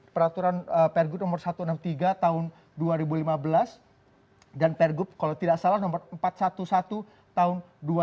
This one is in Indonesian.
peraturan pergub nomor satu ratus enam puluh tiga tahun dua ribu lima belas dan pergub kalau tidak salah nomor empat ratus sebelas tahun dua ribu enam belas